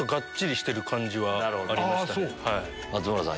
松村さん